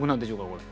これ。